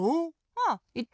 ああいった。